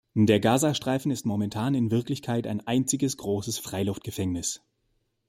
Der Gaza-Streifen ist momentan in Wirklichkeit ein einziges großes Freiluftgefängnis.